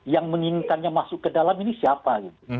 yang menginginkannya masuk ke dalam ini siapa